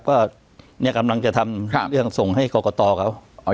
ก็เนี่ยกำลังจะทำเรื่องส่งให้กรกตเขา